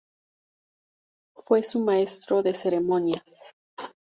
Fue su Maestro de Ceremonias.